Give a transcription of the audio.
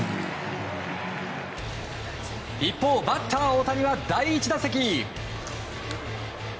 一方、バッター大谷は第１打席。